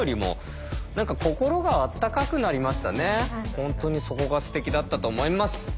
本当にそこがすてきだったと思います。